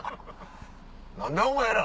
「何だお前ら！」。